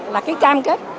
là cái cam kết